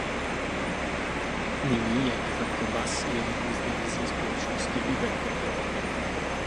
Nyní je Iveco Bus jednou z divizí společnosti Iveco.